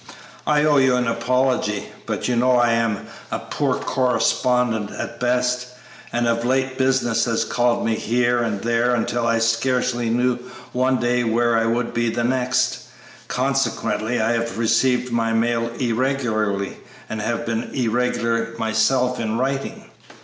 "I owe you an apology, but you know I am a poor correspondent at best, and of late business has called me here and there until I scarcely knew one day where I would be the next; consequently I have received my mail irregularly and have been irregular myself in writing."